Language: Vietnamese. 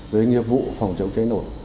với nghiệp vụ phòng chống cháy nổ